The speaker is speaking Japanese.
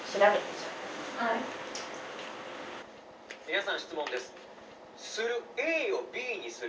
「皆さん質問です。